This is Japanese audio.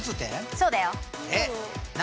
そうだよ。